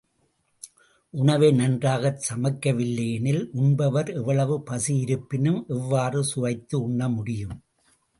உணவை நன்றாகச் சமைக்கவில்லையெனில், உண்பவர் எவ்வளவு பசியாயிருப்பினும் எவ்வாறு சுவைத்து உண்ண முடியும்?